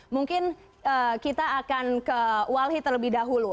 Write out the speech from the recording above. mungkin kita akan ke walhi terlebih dahulu